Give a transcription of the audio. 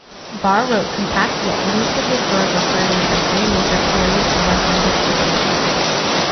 Barr wrote compact yet lucid historical surveys of three major periods of western history.